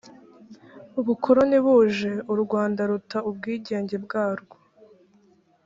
ubukoroni buje u rwanda ruta ubwigenge bwarwo